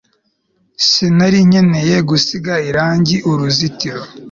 sinari nkeneye gusiga irangi uruzitiro